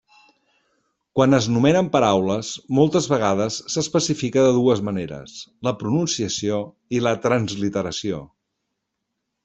Quan es nomenen paraules, moltes vegades s'especifica de dues maneres: la pronunciació i la transliteració.